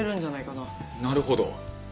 なるほど！